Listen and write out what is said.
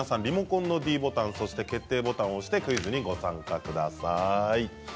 リモコンのｄボタンと決定ボタンを押してクイズにご参加ください。